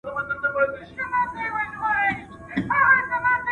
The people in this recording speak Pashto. زه به سبا د کتابتون پاکوالی کوم!.